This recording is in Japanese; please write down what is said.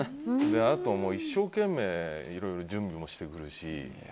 あと、一生懸命いろいろ準備もしてくるし。